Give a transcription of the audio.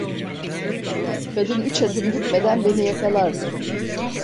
Kadın üç adım gitmeden beni yakalardı.